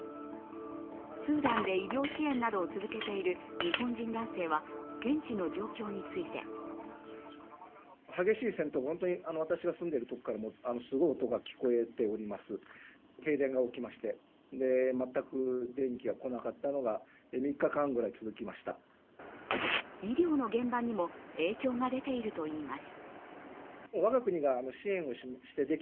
スーダンで医療支援などを続けている日本人男性は現地の状況について医療の現場にも影響が出ているといいます。